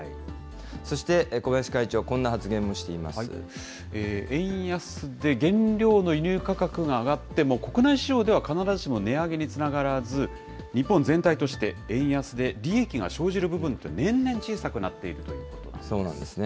そして、小林会長、こんな発言も円安で原料の輸入価格が上がっても、国内市場では必ずしも値上げにつながらず、日本全体として、円安で利益が生じる部分って、年々小さくなっているということなんですね。